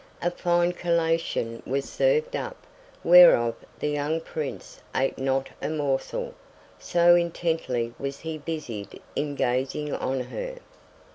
A fine collation was served up, whereof the young prince ate not a morsel, so intently was he busied in gazing on her.